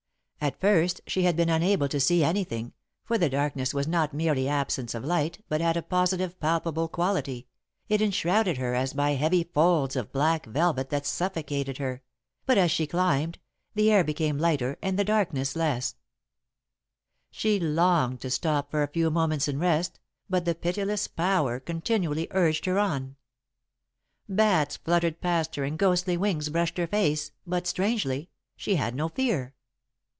At first she had been unable to see anything, for the darkness was not merely absence of light but had a positive, palpable quality, it enshrouded her as by heavy folds of black velvet that suffocated her, but, as she climbed, the air became lighter and the darkness less. [Sidenote: The Path in the Garden] She longed to stop for a few moments and rest, but the pitiless Power continually urged her on. Bats fluttered past her and ghostly wings brushed her face, but, strangely, she had no fear.